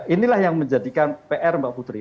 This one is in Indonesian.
inilah yang menjadikan pr mbak putri